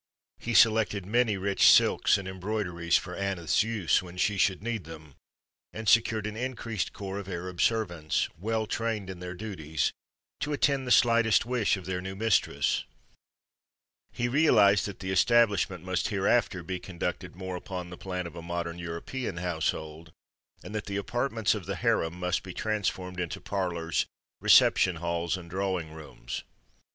He selected many rich silks and embroideries for Aneth's use when she should need them, and secured an increased corps of Arab servants, well trained in their duties, to attend the slightest wish of their new mistress. He realized that the establishment must hereafter be conducted more upon the plan of a modern European household, and that the apartments of the harem must be transformed into parlors, reception halls and drawing rooms.